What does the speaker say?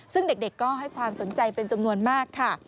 ซึ่งเด็กก็ให้ความสนใจเป็นจำนวนมากค่ะ